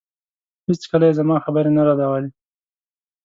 هېڅکله يې زما خبرې نه ردولې.